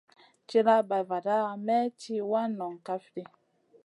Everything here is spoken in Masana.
Tilla bay vada may tì wana nong kaf ɗi.